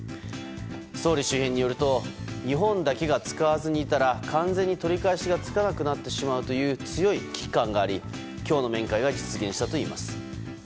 総理周辺によると日本だけが使わずにいたら完全に取り返しがつかなくなってしまうという強い危機感があり、今日の面会が実現したといいます。